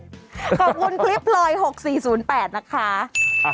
ขอบคุณคลิปลอย๖๔๐๘นะคะ